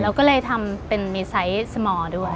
เราก็เลยทำเป็นมีไซส์สมอร์ด้วย